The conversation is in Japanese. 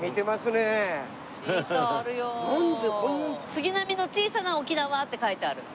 「杉並の小さな沖縄」って書いてある。